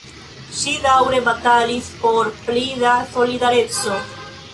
Ŝi daŭre batalis por pli da solidareco.